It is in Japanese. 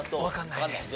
わかんないです。